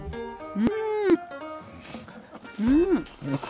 うん！